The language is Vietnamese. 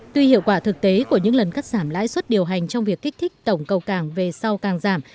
tuy hiệu quả thực tế của những lần cắt giảm lãi suất điều hành trong việc kích thích tổng cầu càng về sau càng giảm